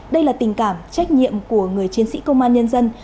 đây là tình cảm trách nhiệm của người chiến sĩ công an nhân dân